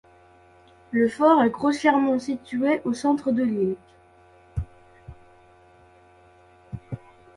Le fort est grossièrement situé au centre de l'île.